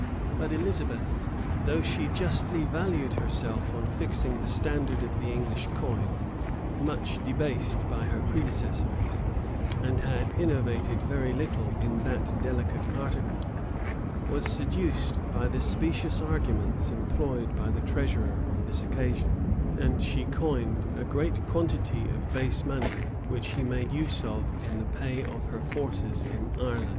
[*] But Elizabeth, though she justly valued herself on fixing the standard of the English coin, much debased by her predecessors, and had innovated very little in that delicate article, was seduced by the specious arguments employed by the treasurer on this occasion; and she coined a great quantity of base money, which he made use of in the pay of her forces in Ireland.